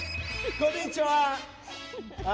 こんにちは！